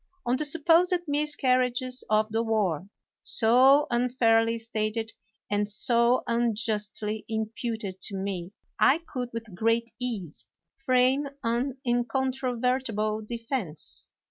On the supposed miscarriages of the war, so unfairly stated and so unjustly imputed to me, I could, with great ease, frame an incontro vertible defense.